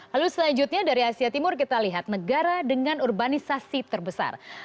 lalu selanjutnya dari asia timur kita lihat negara dengan urbanisasi terbesar